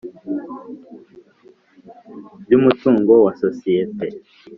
by umutungo wa sosiyete